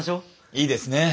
いいですね。